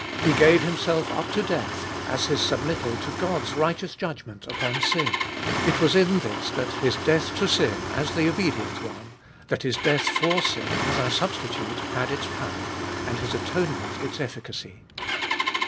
He gave Himself up to death, as His submittal to God's righteous judgment upon sin. It was in this that His death to sin, as the obedient One, that His death for sin, as our Substitute, had its power, and His atonement its efficacy.